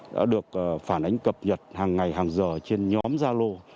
đã được phản ánh cập nhật hàng ngày hàng giờ trên nhóm gia lô